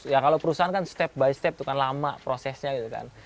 ya kalau perusahaan kan step by step itu kan lama prosesnya gitu kan